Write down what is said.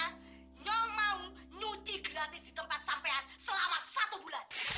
tidak mau nyuci gratis di tempat sampean selama satu bulan